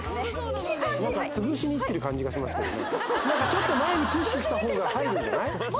ちょっと前にプッシュしたほうが入るんじゃない？